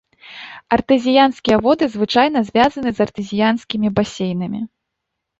Артэзіянскія воды звычайна звязаны з артэзіянскімі басейнамі.